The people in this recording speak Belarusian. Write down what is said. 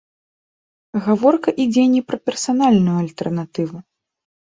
Гаворка ідзе не пра персанальную альтэрнатыву.